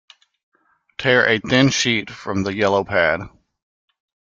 Tear a thin sheet from the yellow pad.